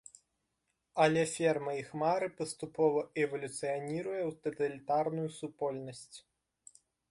Але ферма іх мары паступова эвалюцыяніруе ў таталітарную супольнасць.